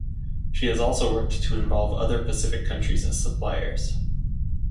She has also worked to involve other Pacific countries as suppliers.